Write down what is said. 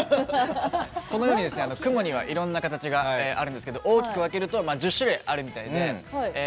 このように雲にはいろんな形があるんですけど大きく分ければ１０種類あるみたいで。